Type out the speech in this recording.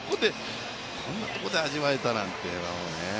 こんなところで味わえたんなんて。